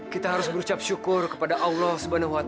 kita harus berucap syukur kepada allah swt